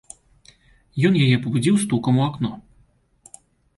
Ён яе пабудзіў стукам у акно.